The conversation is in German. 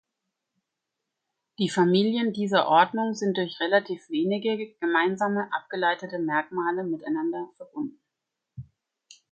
Die Familien dieser Ordnung sind durch relativ wenige gemeinsame abgeleitete Merkmale miteinander verbunden.